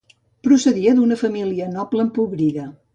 Procedia d'una família noble empobrida.